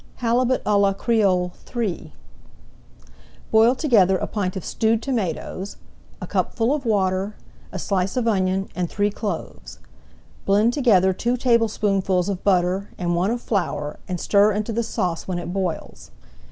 HALIBUT À LA CREOLE III Boil together a pint of stewed tomatoes, a cupful of water, a slice of onion, and three cloves. Blend together two tablespoonfuls of butter and one of flour, and stir into the sauce when it boils.